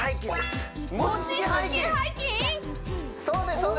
そうです